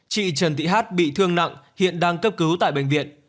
chị trần thị hát bị thương nặng hiện đang cấp cứu tại bệnh viện